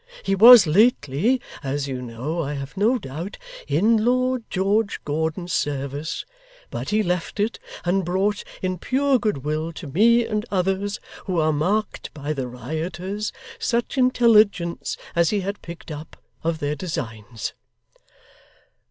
He was lately (as you know, I have no doubt) in Lord George Gordon's service; but he left it, and brought, in pure goodwill to me and others, who are marked by the rioters, such intelligence as he had picked up, of their designs.